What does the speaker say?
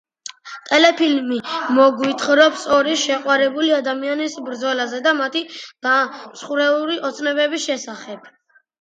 ტელეფილმი მოგვითხრობს ორი შეყვარებული ადამიანის ბრძოლაზე და მათი დამსხვრეული ოცნებების შესახებ.